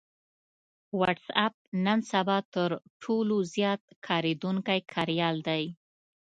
وټس اېپ نن سبا تر ټولو زيات کارېدونکی کاريال دی